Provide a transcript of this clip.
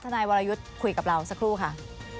นายวรยุทธ์คุยกับเราสักครู่ค่ะ